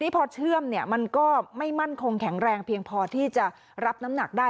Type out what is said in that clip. พอเชื่อมมันก็ไม่มั่นคงแข็งแรงเพียงพอที่จะรับน้ำหนักได้